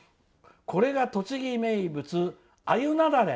これが栃木名物、アユなだれ！